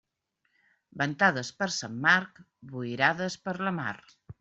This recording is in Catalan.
Ventades per Sant Marc, boirades per la mar.